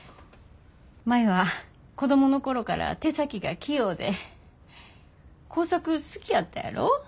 舞は子供の頃から手先が器用で工作好きやったやろ。